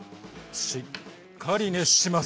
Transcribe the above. しっかり熱します。